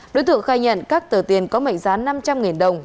đối tượng khai nhận các tờ tiền có mệnh giá năm trăm linh đồng